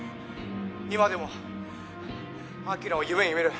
「今でも晶を夢に見る」